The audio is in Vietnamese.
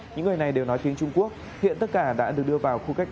những người này đều nói tiếng trung quốc